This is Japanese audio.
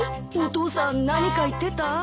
お父さん何か言ってた？